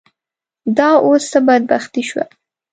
دا اوس څه بدبختي شوه.